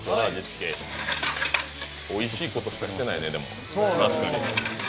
おいしいことしかしてないね、確かに。